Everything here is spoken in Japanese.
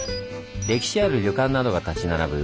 歴史ある旅館などが立ち並ぶ